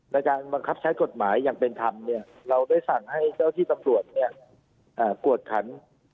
ในการบังคับใช้กฎหมายอย่างเป็นธรรมเราได้สั่งให้เจ้าที่ตำรวจกวดขัน